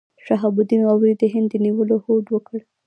شهاب الدین غوري د هند د نیولو هوډ وکړ.